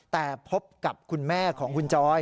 แต่พบกับคุณแม่ของคุณจอย